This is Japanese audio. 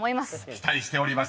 ［期待しております］